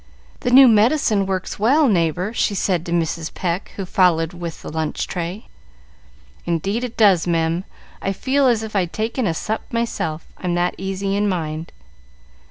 "The new medicine works well, neighbor," she said to Mrs. Pecq, who followed with the lunch tray. "Indeed it does, mem. I feel as if I'd taken a sup myself, I'm that easy in my mind."